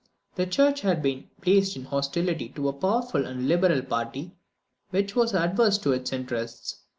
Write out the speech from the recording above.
The church had been placed in hostility to a powerful and liberal party, which was adverse to its interests.